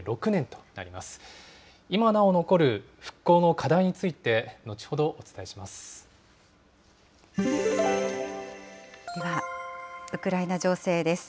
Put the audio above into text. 今なお残る復興の課題について、後ほどお伝えします。